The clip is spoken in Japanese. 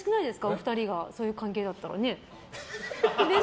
お二人がそういう関係だったら。